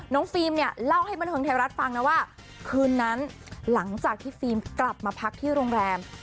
ฟิล์มเนี่ยเล่าให้บันเทิงไทยรัฐฟังนะว่าคืนนั้นหลังจากที่ฟิล์มกลับมาพักที่โรงแรม